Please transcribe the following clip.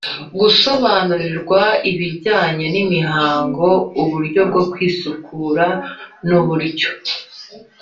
gusobanurirwa ibijyanye n imihango uburyo bwo kwisukura n uburyo